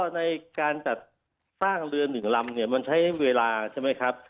ในการจัดสร้างเรือ๑ลำเนี่ยมันใช้เวลาใช่ไหมครับ